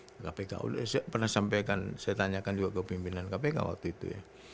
kpk pernah saya sampaikan saya tanyakan juga ke pimpinan kpk waktu itu ya